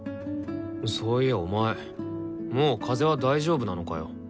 そういやお前もう風邪は大丈夫なのかよ？